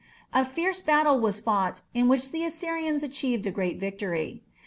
A fierce battle was fought in which the Assyrians achieved a great victory.